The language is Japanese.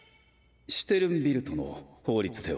シュテルンビルトの法律では。